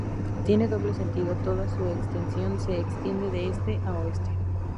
Tiene doble sentido toda su extensión, se extiende de Este a Oeste.